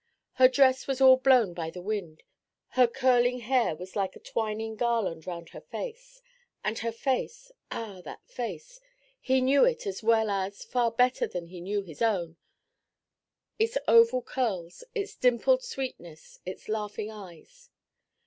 Her dress was all blown by the wind, her curling hair was like a twining garland round her face, and her face ah! that face: he knew it as well as, far better than he knew his own; its oval curves, its dimpled sweetness, its laughing eyes.